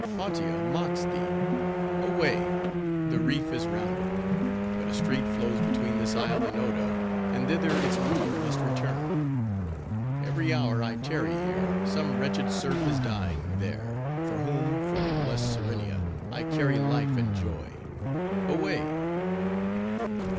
Hautia mocks thee; away! The reef is rounded; but a strait flows between this isle and Odo, and thither its ruler must return. Every hour I tarry here, some wretched serf is dying there, for whom, from blest Serenia, _I carry life and joy. Away!